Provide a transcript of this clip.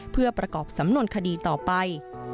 เพื่อประกอบสำนวนคดีต่อไป